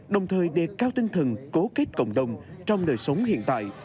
đồng thời đề cao tinh thần cố kết cộng đồng trong đời sống hiện tại